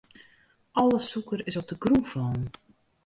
Alle sûker is op de grûn fallen.